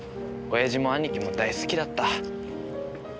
親父も兄貴も大好きだった。